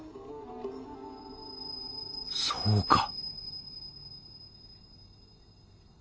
そうか！